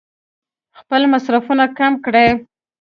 خپل مصرفونه کم کړي.